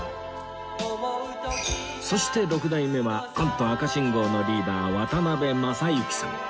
そして六代目はコント赤信号のリーダー渡辺正行さん